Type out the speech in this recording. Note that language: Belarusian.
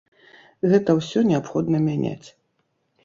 Гэта ўсё неабходна мяняць.